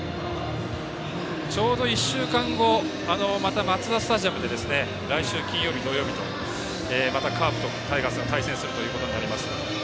ちょうど１週間後またマツダスタジアムで来週金曜日、土曜日とまたカープとタイガースが対戦するということになります。